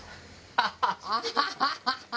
ハハハハ！